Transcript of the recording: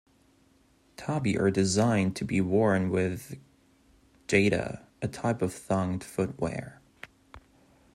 Tabi are designed to be worn with geta, a type of thonged footwear.